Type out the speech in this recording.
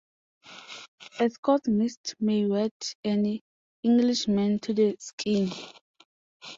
A Scotch mist may wet an Englishman to the skin.